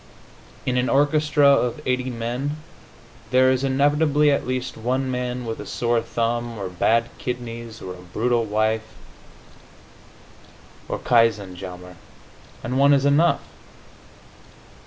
In an orchestra of eighty men there is inevitably at least one man with a sore thumb, or bad kidneys, or a brutal wife, or katzenjammer and one is enough.